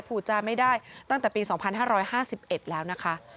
พูดจาไม่ได้ตั้งแต่ปี๒๕๕๑แล้วนะคะ